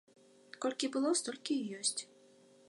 Колькі было, столькі і ёсць.